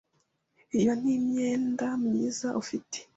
Iyo ni imyenda myiza ufite.